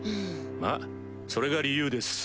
まぁそれが理由です。